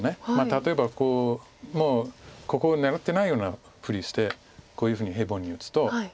例えばこうもうここを狙ってないようなふりしてこういうふうにヘボに打つと。